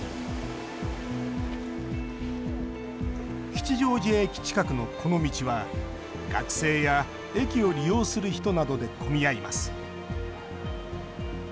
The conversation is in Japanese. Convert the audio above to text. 吉祥寺駅近くの、この道は学生や駅を利用する人などで混み合います